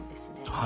はい。